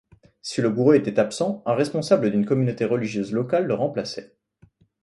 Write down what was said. Si le gourou était absent, un responsable d'une communauté religieuse locale le remplaçait.